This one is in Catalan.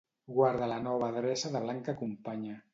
Guarda la nova adreça de Blanca companya.